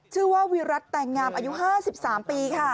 ชื่อว่าวิรัติแต่งงามอายุ๕๓ปีค่ะ